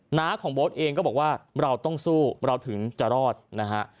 หน้าของโบ๊ทเองก็บอกว่าเราต้องสู้เราถึงจะรอดนะฮะ